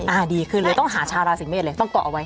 ดีขึ้นเลยต้องหาชาวราศีเมษเลยต้องเกาะเอาไว้